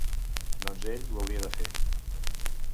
Doncs ell ho hauria de fer.